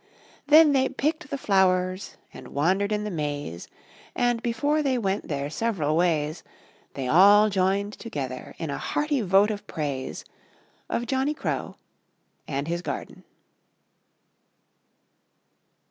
Then they picked the Flowers, and Wandered in the Maze, And before they went their several ways They all joined together In a Hearty Vote of Praise Of Johnny Crow and his Garden.